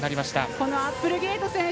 このアップルゲイト選手